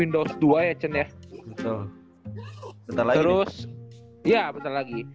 terus ya bentar lagi